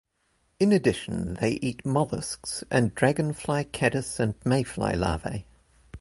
In addition, they eat mollusks and dragonfly, caddis and mayfly larvae.